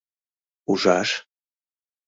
— Ужаш?